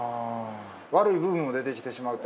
悪い部分も出てきてしまうと。